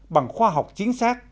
bằng khoa học chính xác